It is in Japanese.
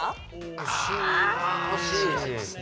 あ惜しい。